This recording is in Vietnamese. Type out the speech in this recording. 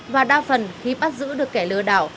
và đa phần khi bắt giữ được kẻ lừa đảo